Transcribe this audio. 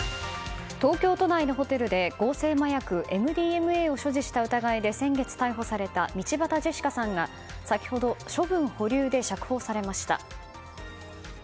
東京都内のホテルので合成麻薬ＭＤＭＡを所持した疑いで先月、逮捕された道端ジェシカさんが先ほど処分保留で釈放されました。